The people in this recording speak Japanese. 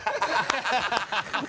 ハハハハ！